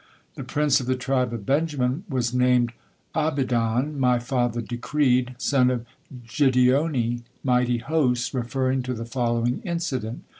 The prince of the tribe of Benjamin was named Abidan, "my father decreed," son of Gideoni, "mighty hosts," referring to the following incident.